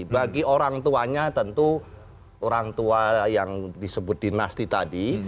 bagi orang tuanya tentu orang tua yang disebut dinasti tadi